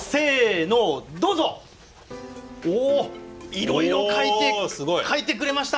いろいろ書いてくれました！